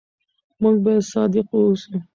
موږ باید صادق واوسو.